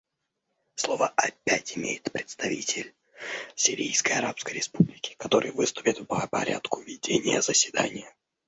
Слово опять имеет представитель Сирийской Арабской Республики, который выступит по порядку ведения заседания.